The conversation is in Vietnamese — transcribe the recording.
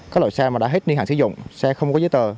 các loại xe mà đã hết niên hạn sử dụng xe không có giấy tờ